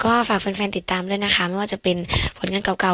ครับก็ฝากแฟนแฟนติดตามด้วยนะคะไม่ว่าจะเป็นผลงานเก่าเก่า